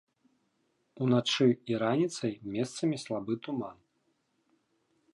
Уначы і раніцай месцамі слабы туман.